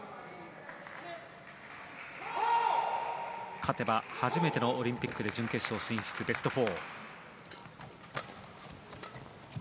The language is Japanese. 勝てば初めてのオリンピックで準決勝進出、ベスト４。